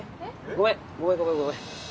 ごめんごめんごめんごめん